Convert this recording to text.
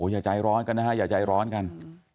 อย่าใจร้อนกันนะฮะอย่าใจร้อนกัน